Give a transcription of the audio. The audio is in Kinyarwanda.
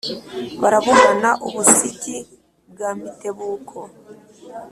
baraburana u busigi bwa mitebuko